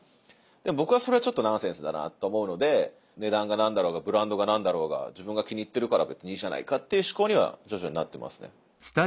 でも僕はそれはちょっとナンセンスだなと思うので値段が何だろうがブランドが何だろうが自分が気に入ってるから別にいいじゃないかっていう思考には徐々になってますね。